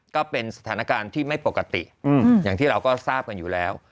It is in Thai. ก็เป็นสถานการณ์ที่ไม่ปกติอย่างที่เราก็ทราบกันอยู่แล้ว